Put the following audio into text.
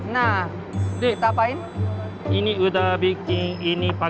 nah kita akan melakukan apa